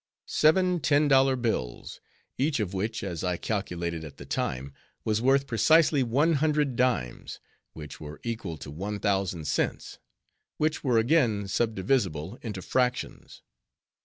Seven ten dollar bills! each of which, as I calculated at the time, was worth precisely one hundred dimes, which were equal to one thousand cents, which were again subdivisible into fractions.